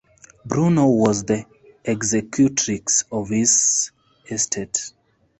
Bruno was the executrix of his estate.